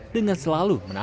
dengan selalu mengembangkan